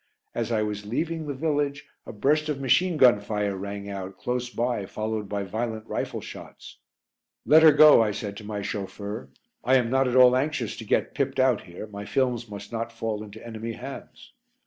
As I was leaving the village a burst of machine gun fire rang out close by followed by violent rifle shots. "Let her go," I said to my chauffeur. "I am not at all anxious to get pipped out here. My films must not fall into enemy hands."